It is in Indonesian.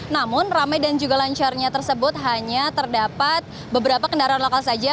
namun ramai dan juga lancarnya tersebut hanya terdapat beberapa kendaraan lokal saja